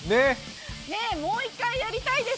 もう一回やりたいです。